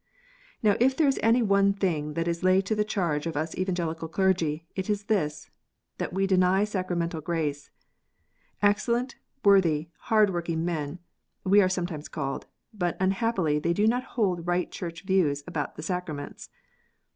Now if there is any one thing that is laid to the charge of us Evangelical clergy, it is this, that we deny sacramental grace. " Excellent, worthy, hard working men," we are some times called; "but unhappily they do not hold right Church views about the Sacraments."